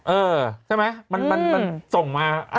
เออใช่ไหมมันส่งมา